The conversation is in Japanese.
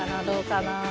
どうかな？